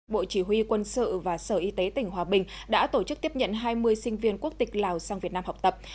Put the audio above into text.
bộ chỉ huy quân sự và sở y tế tỉnh hòa bình đã tổ chức tiếp nhận hai mươi sinh viên quốc tịch lào sang việt nam học tập